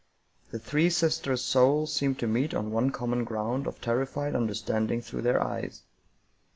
The three sisters' souls seemed to meet on one common ground of terrified understanding through their eyes.